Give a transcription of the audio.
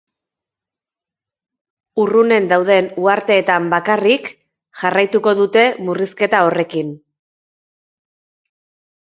Urrunen dauden uharteetan bakarrik jarraituko dute murrizketa horrekin.